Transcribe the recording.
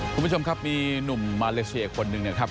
คุณผู้ชมครับมีหนุ่มมาเลเซียคนหนึ่งนะครับ